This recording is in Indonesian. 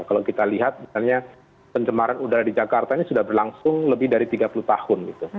kalau kita lihat misalnya pencemaran udara di jakarta ini sudah berlangsung lebih dari tiga puluh tahun